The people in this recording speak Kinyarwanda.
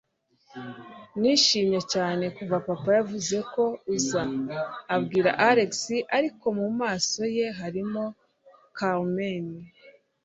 Nishimiye cyane kuva papa yavuze ko uza!" abwira Alex, ariko mu maso ye harimo Carmen.